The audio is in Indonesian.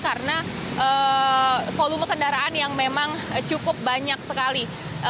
karena volume kendaraan yang memang cukup banyak sekali